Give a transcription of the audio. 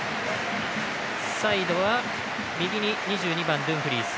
サイドは、右に２２番のドゥンフリース